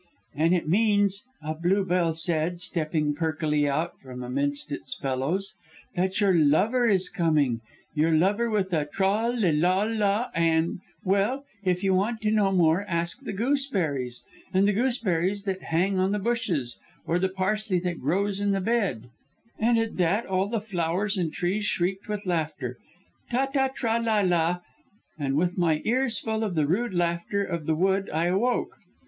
"'And it means,' a bluebell said, stepping perkily out from amidst its fellows, 'that your lover is coming your lover with a troll le loll la and well, if you want to know more ask the gooseberries, the gooseberries that hang on the bushes, or the parsley that grows in the bed,' and at that all the flowers and trees shrieked with laughter 'Ta ta tra la la' and with my ears full of the rude laughter of the wood I awoke.